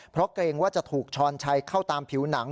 เพราะเกรงว่าจะถูกช้อนชัยเข้าตามผิวหนัง